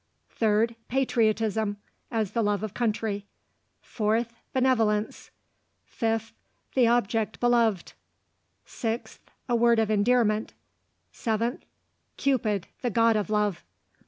Third: Patriotism, as the love of country. Fourth: Benevolence. Fifth: The object beloved. Sixth: A word of endearment. Seventh: Cupid, the god of love."